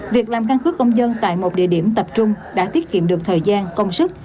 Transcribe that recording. việc làm căn cước công dân tại một địa điểm tập trung đã tiết kiệm được thời gian công sức